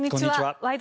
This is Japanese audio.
「ワイド！